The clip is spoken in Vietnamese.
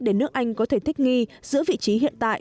để nước anh có thể thích nghi giữ vị trí hiện tại